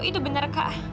itu benar kak